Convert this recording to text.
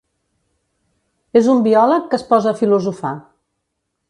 És un biòleg que es posa a filosofar.